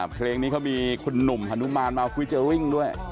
เพลงนี้เขามีคุณหนุ่มฮานุมานมาฟิเจอร์ริ่งด้วย